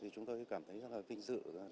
chúng tôi cảm thấy rất là vinh dự